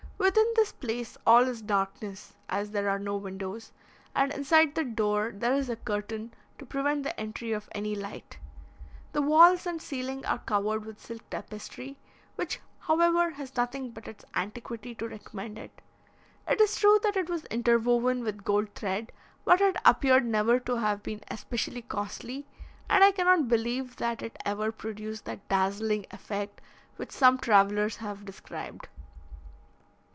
Within this place all is darkness, as there are no windows, and inside the door, there is a curtain, to prevent the entry of any light. The walls and ceiling are covered with silk tapestry, which, however, has nothing but its antiquity to recommend it. It is true that it was interwoven with gold thread, but it appeared never to have been especially costly, and I cannot believe that it ever produced that dazzling effect which some travellers have described.